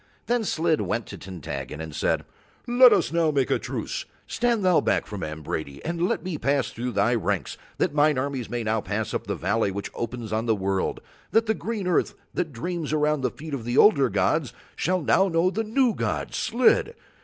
Then Slid went to Tintaggon and said: "Let us now make a truce. Stand thou back from Ambrady and let me pass through thy ranks that mine armies may now pass up the valley which opens on the world, that the green earth that dreams around the feet of older gods shall know the new god Slid.